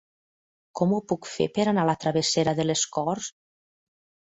Com ho puc fer per anar a la travessera de les Corts?